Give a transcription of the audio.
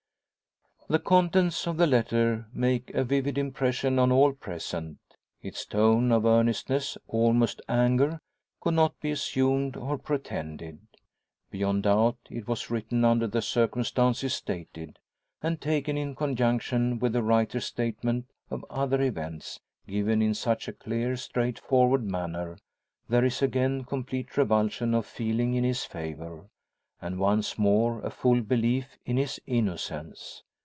The contents of the letter make a vivid impression on all present. Its tone of earnestness, almost anger, could not be assumed or pretended. Beyond doubt, it was written under the circumstances stated; and, taken in conjunction with the writer's statement of other events, given in such a clear, straightforward manner, there is again complete revulsion of feeling in his favour, and once more a full belief in his innocence.